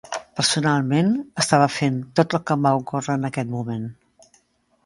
Personalment estava fent tot el que em va ocórrer en aquest moment.